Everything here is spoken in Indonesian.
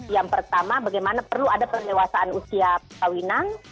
yang pertama bagaimana perlu ada perlewasaan usia perkahwinan